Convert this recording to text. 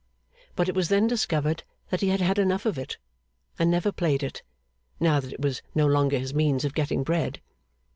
But it was then discovered that he had had enough of it, and never played it, now that it was no longer his means of getting bread.